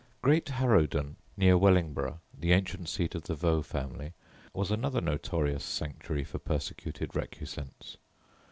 ] Great Harrowden, near Wellingborough, the ancient seat of the Vaux family, was another notorious sanctuary for persecuted recusants.